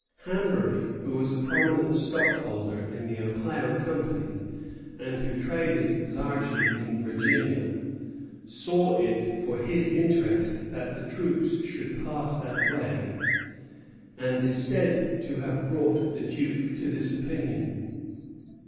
Hanbury, who was a prominent stockholder in the Ohio Company, and who traded largely in Virginia, saw it for his interest that the troops should pass that way; and is said to have brought the Duke to this opinion.